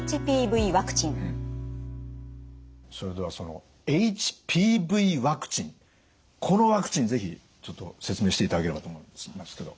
それではそのＨＰＶワクチンこのワクチン是非ちょっと説明していただければと思いますけど。